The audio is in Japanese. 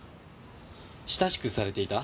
親しくされていた？